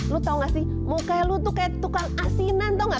lo tau gak sih muka lo tuh kayak tukang asinan tau gak